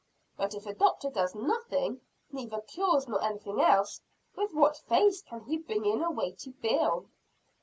But if a doctor does nothing neither cures, nor anything else with what face can he bring in a weighty bill?